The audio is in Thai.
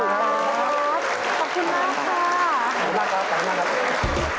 ขอบคุณมากครับมากครับ